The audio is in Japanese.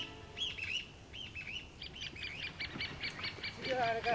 次はあれか？